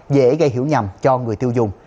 dễ gây hiểu nhầm cho người tiêu dùng